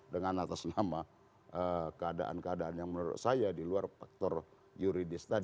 dengan atas nama keadaan keadaan yang menurut saya di luar faktor yuridis tadi